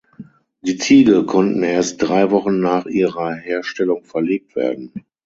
Die Ziegel konnten erst drei Wochen nach ihrer Herstellung verlegt werden.